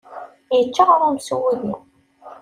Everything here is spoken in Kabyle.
Yečča aɣrum s wudi.